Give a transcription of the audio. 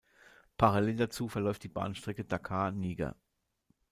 Parallel dazu verläuft die Bahnstrecke Dakar–Niger.